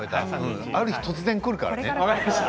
ある日突然くるから。